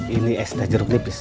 ini es teh jeruk nipis